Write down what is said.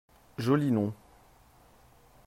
Joli nom